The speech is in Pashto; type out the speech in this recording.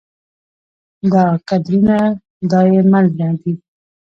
دا کدرونه دا يې مله دي